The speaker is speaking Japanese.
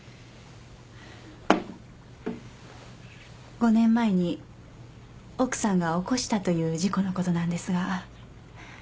５年前に奥さんが起こしたという事故のことなんですが。